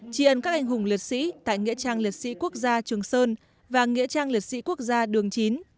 tri ân các anh hùng liệt sĩ tại nghĩa trang liệt sĩ quốc gia trường sơn và nghĩa trang liệt sĩ quốc gia đường chín